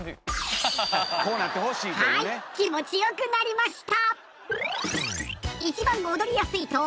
はい気持ち良くなりました！